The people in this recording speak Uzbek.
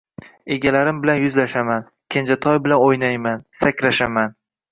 Egalarim bilan yuzlashaman, kenjatoy bilan o‘ynayman, sakrashaman